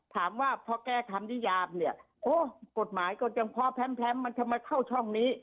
ถามว่าพอแกทำนิยามเนี่ยกฎหมายก็จำพอแพ้มมันจะมาเข้าช่องนี้